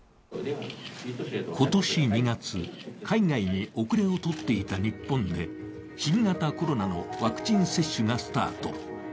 今年２月、海外に遅れを取っていた日本で新型コロナのワクチン接種がスタート。